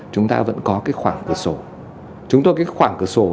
chúng ta vẫn có cái khoảng cửa sổ